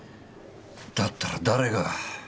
だったら誰が。